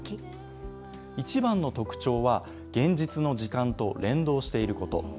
一番の特徴は、現実の時間と連動していること。